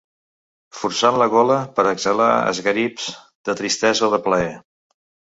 Forçant la gola per exhalar esgarips de tristesa o de plaer.